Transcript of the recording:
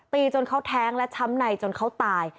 จนเขาแท้งและช้ำในจนเขาตาย